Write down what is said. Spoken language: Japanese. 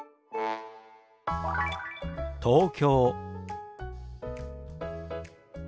「東京」。